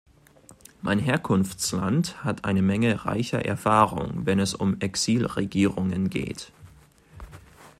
Mein Herkunftsland hat eine Menge reicher Erfahrung, wenn es um Exilregierungen geht.